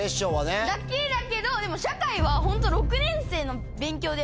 だけだけど社会はホント６年生の勉強で。